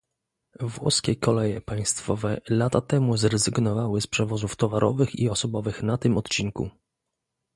Włoskie koleje państwowe lata temu zrezygnowały z przewozów towarowych i osobowych na tym odcinku